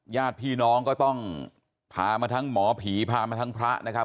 ญาติพี่น้องก็ต้องพามาทั้งหมอผีพามาทั้งพระนะครับ